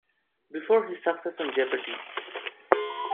Before his success on Jeopardy!